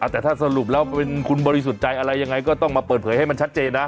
แต่ถ้าสรุปแล้วคุณบริสุทธิ์ใจอะไรยังไงก็ต้องมาเปิดเผยให้มันชัดเจนนะ